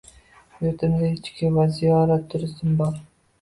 Yurtimizda ichki va ziyorat turizmi bor.